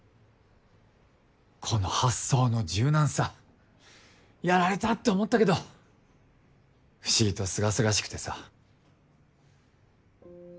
この発想の柔軟さやられたって思ったけど不思議と清々しくてさ。